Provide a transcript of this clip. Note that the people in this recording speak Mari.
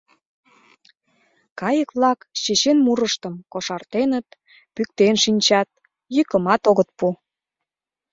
Кайык-влак чечен мурыштым кошартеныт, пӱктен шинчат, йӱкымат огыт пу.